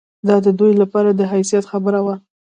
دا د دوی لپاره د حیثیت خبره وه.